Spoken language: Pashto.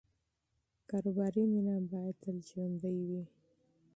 کاروباري مینه باید تل ژوندۍ وي.